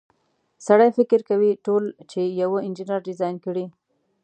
سړی فکر کوي ټول چې یوه انجنیر ډیزاین کړي.